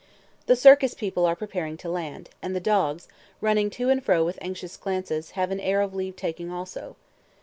The circus people are preparing to land; and the dogs, running to and fro with anxious glances, have an air of leave taking also.